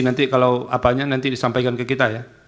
nanti kalau apanya nanti disampaikan ke kita ya